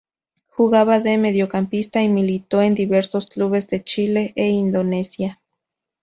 Jugaba de mediocampista y militó en diversos clubes de Chile e Indonesia.